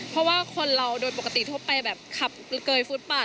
เพราะว่าคนเราโดยปกติทั่วไปแบบขับเกยฟุตบาท